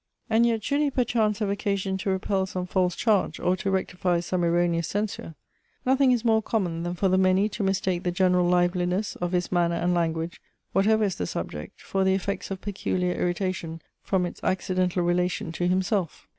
And yet, should he perchance have occasion to repel some false charge, or to rectify some erroneous censure, nothing is more common than for the many to mistake the general liveliness of his manner and language, whatever is the subject, for the effects of peculiar irritation from its accidental relation to himself.